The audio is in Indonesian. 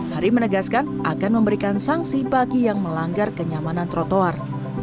hari menegaskan akan memberikan sanksi bagi yang melanggar kenyamanan trotoar